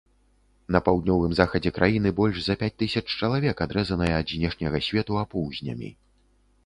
На паўднёвым захадзе краіны больш за пяць тысяч чалавек адрэзаныя ад знешняга свету апоўзнямі.